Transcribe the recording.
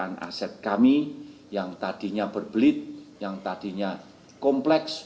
dan membuat aset kami yang tadinya berbelit yang tadinya kompleks